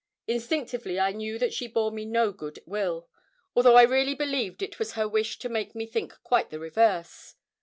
Instinctively I knew that she bore me no good will, although I really believe it was her wish to make me think quite the reverse.